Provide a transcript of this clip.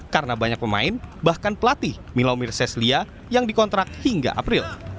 karena banyak pemain bahkan pelatih milomir seslia yang dikontrak hingga april